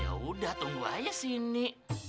ya udah tunggu aja sini